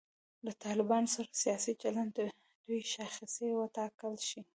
له طالبانو سره سیاسي چلند د دوی شاخصې وټاکل شي.